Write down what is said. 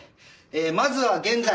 まずは現在。